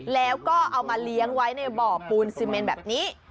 แล้วก็เอามาเลี้ยงไว้ในบ่อปูนซีเมนแบบนี้